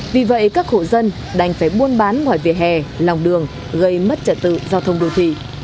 vì vậy các hộ dân đành phải buôn bán ngoài vỉa hè lòng đường gây mất trật tự giao thông đô thị